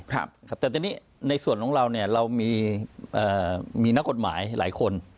ครับครับแต่ตอนนี้ในส่วนของเราเนี่ยเรามีเอ่อมีนักกฎหมายหลายคน